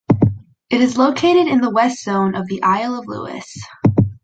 It is located in the west zone of the Isle of Lewis.